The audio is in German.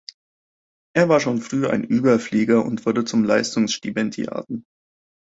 Er war schon früh ein Überflieger und wurde zum Leistungsstipendiaten.